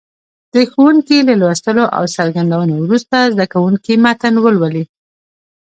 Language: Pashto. د ښوونکي له لوستلو او څرګندونو وروسته زده کوونکي متن ولولي.